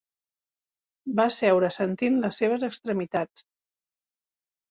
Va seure sentint les seves extremitats.